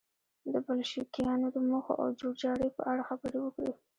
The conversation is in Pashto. د بلشویکانو د موخو او جوړجاړي په اړه خبرې وکړي.